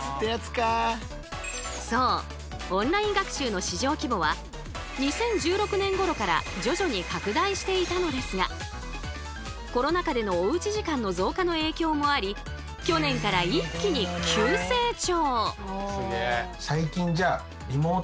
オンライン学習の市場規模は２０１６年ごろから徐々に拡大していたのですがコロナ禍でのおうち時間の増加の影響もあり去年から一気に急成長！